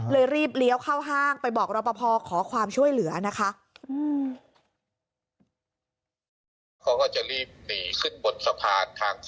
รีบเลี้ยวเข้าห้างไปบอกรอปภขอความช่วยเหลือนะคะ